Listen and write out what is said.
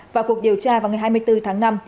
vào cuộc điều tra vào ngày hai mươi bốn